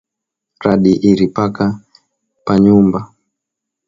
Radi iripika pa nyumba